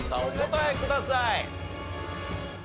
お答えください。